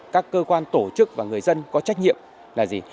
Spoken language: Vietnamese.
các cơ quan tổ chức và người dân có trách nhiệm là gì